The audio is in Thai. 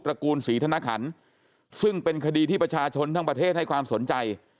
ระกูลศรีธนคันซึ่งเป็นคดีที่ประชาชนทั้งประเทศให้ความสนใจ